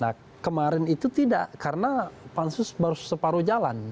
nah kemarin itu tidak karena pansus baru separuh jalan